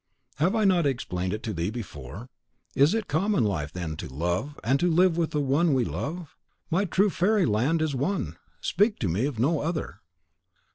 "Have I not explained it to thee before? Is it common life, then, to love, and to live with the one we love? My true fairy land is won! Speak to me of no other."